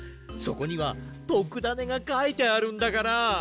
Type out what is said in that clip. そこにはとくダネがかいてあるんだから！